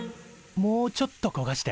もうちょっとこがして。